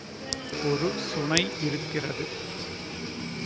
ஒரு சுனை இருக்கிறது.